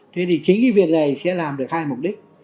thế thì chính cái việc này sẽ làm được hai mục đích